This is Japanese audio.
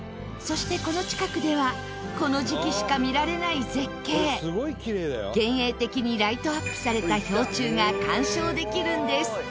そしてこの近くではこの時期しか見られない絶景幻影的にライトアップされた氷柱が鑑賞できるんです。